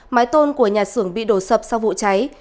mái tôn của nhà xưởng bị đổ sập sau vụ cháy